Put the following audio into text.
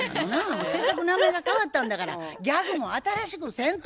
せっかく名前が変わったんだからギャグも新しくせんと。